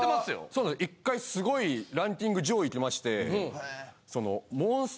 それが１回すごいランキング上位いきまして。